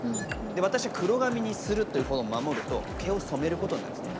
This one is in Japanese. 私は黒髪にするということを守ると毛を染めることになるんですね。